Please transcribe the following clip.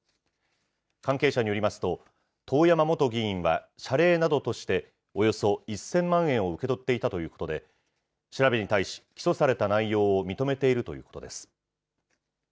関係者によりますと、遠山元議員は謝礼などとして、およそ１０００万円を受け取っていたということで、調べに対し、起訴された内容を認めているということです。